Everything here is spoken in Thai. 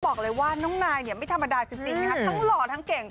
บอกเลยว่าน้องนายเนี่ยไม่ธรรมดาจริงนะคะทั้งหล่อทั้งเก่ง